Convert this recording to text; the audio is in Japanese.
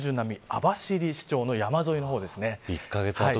網走支庁の山沿いの方ですね。